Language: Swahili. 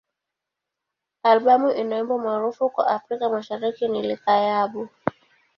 Albamu ina wimbo maarufu kwa Afrika Mashariki ni "Likayabo.